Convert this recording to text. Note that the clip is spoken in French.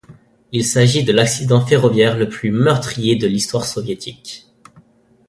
Il s'agit de l'accident ferroviaire le plus meurtrier de l'histoire soviétique.